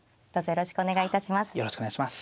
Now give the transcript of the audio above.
よろしくお願いします。